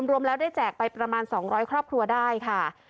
รวมแล้วได้แจกไปประมาณ๒๐๐ครอบครัวได้ค่ะ